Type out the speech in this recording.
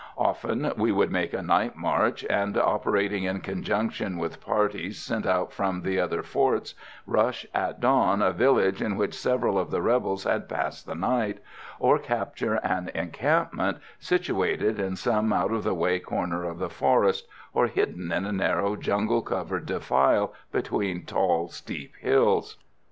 Often we would make a night march, and, operating in conjunction with parties sent out from the other forts, rush at dawn a village in which several of the rebels had passed the night, or capture an encampment situated in some out of the way corner of the forest, or hidden in a narrow jungle covered defile between tall, steep hills.